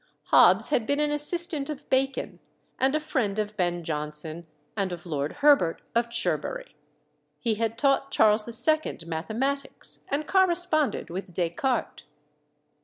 Hobbes had been an assistant of Bacon, and a friend of Ben Jonson and of Lord Herbert of Cherbury. He had taught Charles II. mathematics, and corresponded with Descartes.